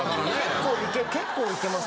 結構結構いけます。